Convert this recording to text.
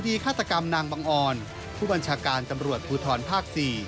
ฆาตกรรมนางบังออนผู้บัญชาการตำรวจภูทรภาค๔